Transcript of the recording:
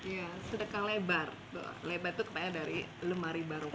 ya sedekah lebar lebar itu kemarin dari lemari baroka